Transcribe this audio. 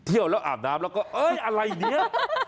เที่ยวแล้วอาบน้ำแล้วก็เอ้ยอะไรเนี่ย